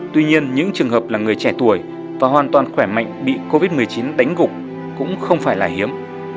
tuy nhiên những trường hợp là người trẻ tuổi và hoàn toàn khỏe mạnh bị covid một mươi chín đánh gục cũng không phải là hiếm